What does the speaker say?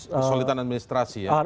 kesulitan administrasi ya